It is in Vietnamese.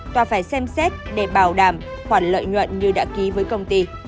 tòa phải xem xét để bảo đảm khoản lợi nhuận như đã ký với công ty